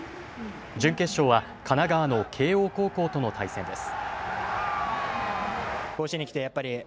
準決勝は神奈川の慶応高校との対戦です。